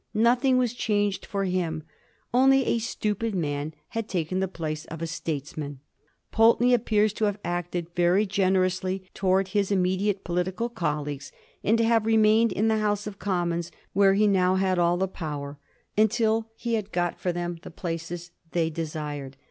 Nothing was changed for him; only a stupid man had taken the place of a states man. Pulteney appears to have acted very generously towards his immediate political colleagues, and to have remained in the House of Commons, where he now had all the power, until he had got for them the places they desired.